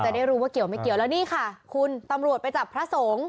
ได้รู้ว่าเกี่ยวไม่เกี่ยวแล้วนี่ค่ะคุณตำรวจไปจับพระสงฆ์